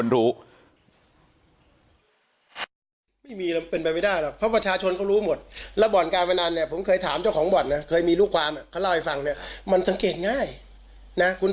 ดังนั้นไม่มีคนรู้